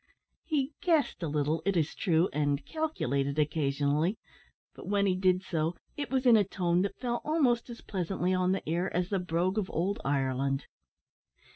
He "guessed" a little, it is true, and "calculated" occasionally, but when he did so, it was in a tone that fell almost as pleasantly on the ear as the brogue of old Ireland.